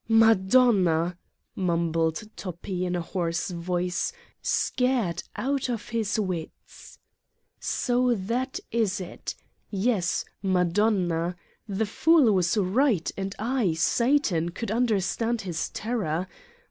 "Madonna!" mumbled Toppi in a hoarse voice, scared out of his wits. So that is it! Yes, Madonna. The fool was right, and I, Satan, could understand his terror.